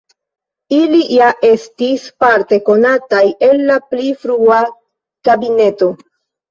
Ili ja estis parte konataj el la pli frua kabineto.